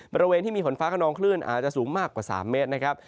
บริเวณที่มีฝนฟ้าขนองคลื่นอาจจะสูงมากกว่า๓เมตรนะครับ